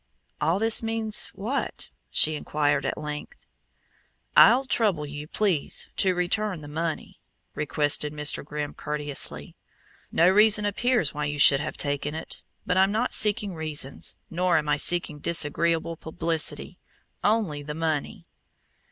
"All this means what?" she inquired, at length. "I'll trouble you, please, to return the money," requested Mr. Grimm courteously. "No reason appears why you should have taken it. But I'm not seeking reasons, nor am I seeking disagreeable publicity only the money."